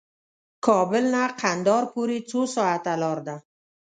کابل نه قندهار پورې څو ساعته لار ده؟